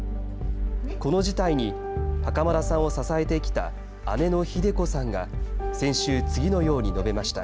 この事態に、袴田さんを支えてきた姉のひで子さんが、先週、次のように述べました。